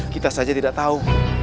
kita saja tidak tahu